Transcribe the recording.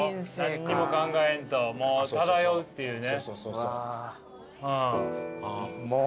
何にも考えんと漂うっていうね。